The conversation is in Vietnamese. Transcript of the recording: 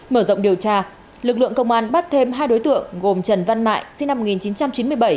mở rộng điều tra lực lượng công an bắt thêm hai đối tượng gồm trần văn mại sinh năm một nghìn chín trăm chín mươi bảy